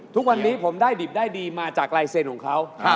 ทุกวันนี้ผมได้ดีมาจากลายเซนของเขา